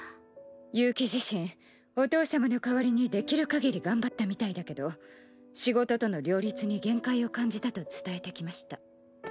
悠希自身お父様の代わりにできるかぎり頑張ったみたいだけど仕事との両立に限界を感じたと伝えてきました。